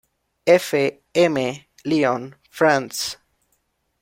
F. M, Lyon, France.